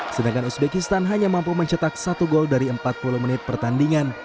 sedangkan uzbekistan hanya mampu mencetak satu gol dari empat puluh menit pertandingan